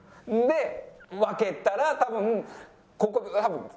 で分けたら多分ここは。